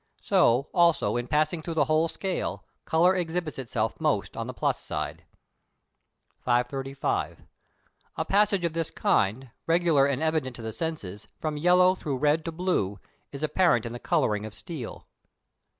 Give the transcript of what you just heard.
So, also, in passing through the whole scale, colour exhibits itself most on the plus side. 535. A passage of this kind, regular and evident to the senses, from yellow through red to blue, is apparent in the colouring of steel.